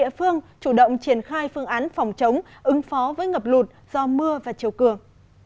địa phương chủ động triển khai phương án phòng chống ứng phó với ngập lụt do mưa và chiều cường